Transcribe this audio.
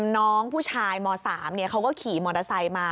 น้องผู้ชายม๓เขาก็ขี่มอเตอร์ไซค์มา